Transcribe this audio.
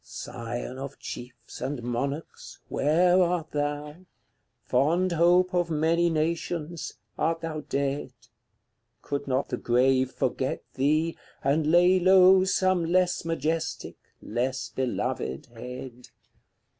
CLXVIII. Scion of chiefs and monarchs, where art thou? Fond hope of many nations, art thou dead? Could not the grave forget thee, and lay low Some less majestic, less beloved head?